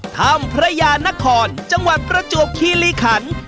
๒ถ้ำพระยานคอนจังหวัดประจวบคิริขัน